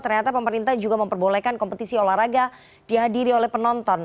ternyata pemerintah juga memperbolehkan kompetisi olahraga dihadiri oleh penonton